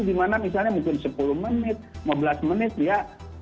dimana misalnya mungkin sepuluh menit lima belas menit dia